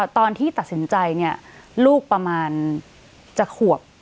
ตอนที่ตัดสินใจเนี่ยลูกประมาณจะขวบ